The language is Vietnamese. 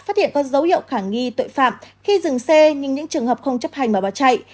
phát hiện có dấu hiệu khả nghi tội phạm khi dừng xe nhưng những trường hợp không chấp hành mà bỏ chạy